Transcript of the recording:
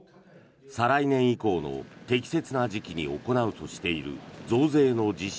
再来年以降の適切な時期に行うとしている増税の実施